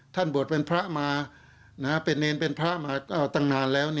บวชเป็นพระมาเป็นเนรเป็นพระมาก็ตั้งนานแล้ว